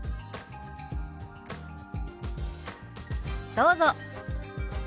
どうぞ。